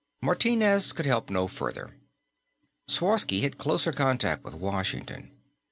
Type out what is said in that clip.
Martinez could help no further. Sworsky had closer contact with Washington.